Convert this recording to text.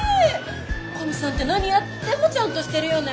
古見さんって何やってもちゃんとしてるよね。